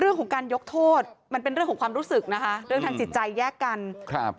แล้วก็ไม่พบว่ามีการฟันหัดตามที่เป็นข่าวทางโซเชียลก็ไม่พบ